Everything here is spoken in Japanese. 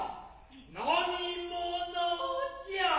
何者じゃ。